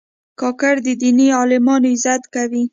کاکړ د دیني عالمانو عزت کوي.